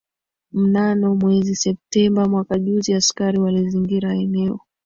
mnano mwezi septemba mwaka juzi askari walizingira eneo